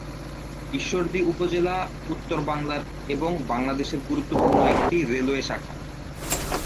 ঈশ্বরদী উপজেলা উত্তর বাংলার এবং বাংলাদেশের গুরুত্বপূর্ণ একটি রেলওয়ে শাখা।